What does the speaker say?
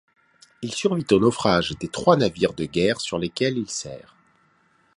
Il survit aux naufrages des trois navires de guerre sur lesquels il sert.